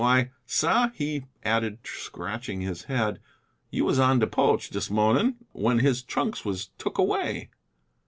Why, sah," he added, scratching his head, "you was on de poch dis mornin' when his trunks was took away!"